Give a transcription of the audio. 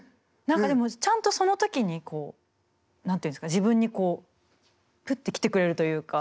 何かでもちゃんとその時にこう何て言うんですか自分にこうプッて来てくれるというか。